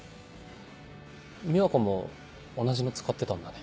美和子も同じの使ってたんだね？